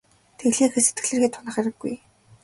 Тэглээ гээд сэтгэлээр хэт унах хэрэггүй.